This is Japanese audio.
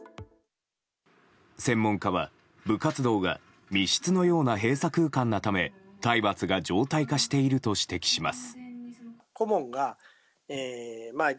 専門家は、部活動が密室のような閉鎖空間なため体罰が常態化していると指摘しています。